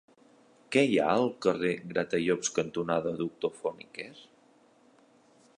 Què hi ha al carrer Gratallops cantonada Doctor Font i Quer?